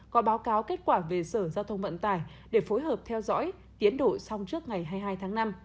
có báo cáo kết quả về sở giao thông vận tải để phối hợp theo dõi tiến độ xong trước ngày hai mươi hai tháng năm